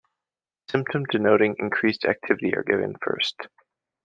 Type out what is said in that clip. Symptom denoting increased activity are given first.